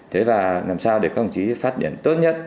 thế và làm sao để công chí phát triển tốt nhất